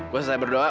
gua selesai berdoa